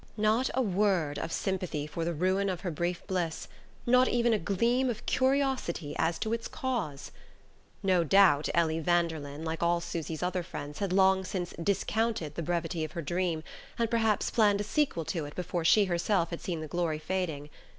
Not a word of sympathy for the ruin of her brief bliss, not even a gleam of curiosity as to its cause! No doubt Ellie Vanderlyn, like all Susy's other friends, had long since "discounted" the brevity of her dream, and perhaps planned a sequel to it before she herself had seen the glory fading.